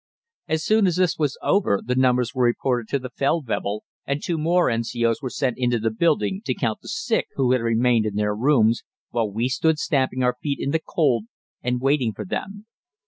As soon as this was over the numbers were reported to the Feldwebel, and two more N.C.O.'s were sent into the building to count the sick who had remained in their rooms, while we stood stamping our feet in the cold and waiting for them.